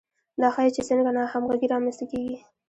دا ښيي چې څنګه ناهمغږي رامنځته کیږي.